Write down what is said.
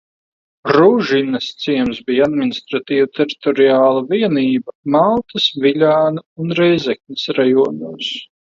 Ružinas ciems bija administratīvi teritoriāla vienība Maltas, Viļānu un Rēzeknes rajonos.